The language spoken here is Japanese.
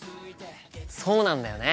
そうなんだよね。